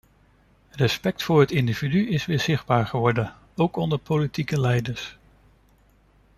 Respect voor het individu is weer zichtbaar geworden, ook onder politieke leiders.